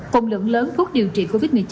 phòng lượng lớn thuốc điều trị covid một mươi chín